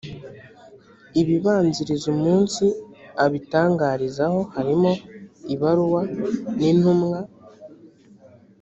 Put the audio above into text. ibibanziriza umunsi abitangarizaho harimo; ibaruwa, nintumwa.